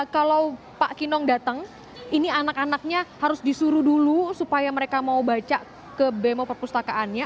kalau pak kinong datang ini anak anaknya harus disuruh dulu supaya mereka mau baca ke bemo perpustakaannya